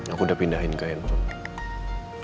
aku udah pindahin ke handphone